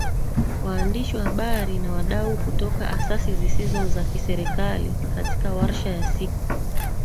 waandishi wa habari na wadau kutoka Asasi Zisizo za Kiserikali katika warsha ya siku